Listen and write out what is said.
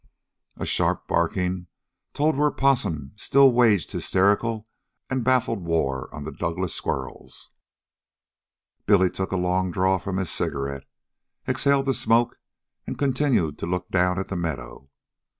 A sharp barking told where Possum still waged hysterical and baffled war on the Douglass squirrels. Billy took a long draw from his cigarette, exhaled the smoke, and continued to look down at the meadow.